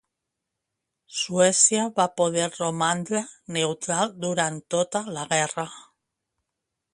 Suècia va poder romandre neutral durant tota la guerra.